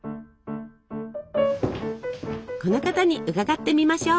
この方に伺ってみましょう。